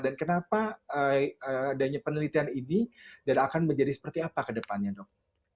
dan kenapa adanya penelitian ini tidak akan menjadi seperti apa ke depannya dok